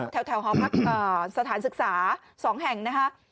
แถวหอพักสถานศึกษา๒แห่งนะครับ